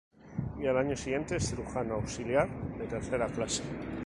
Y al año siguiente es cirujano auxiliar de tercera clase.